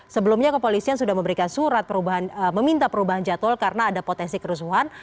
sebelumnya kepolisian sudah memberikan surat meminta perubahan jadwal karena ada potensi kerusuhan